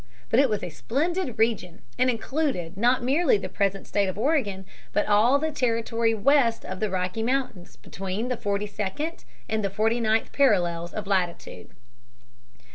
But it was a splendid region and included not merely the present state of Oregon, but all the territory west of the Rocky Mountains between the forty second and the forty ninth parallels of latitude.